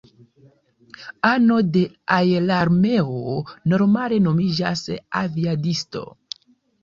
Ano de aerarmeo normale nomiĝas aviadisto.